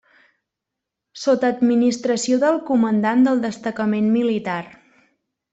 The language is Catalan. Sota administració del comandant del destacament militar.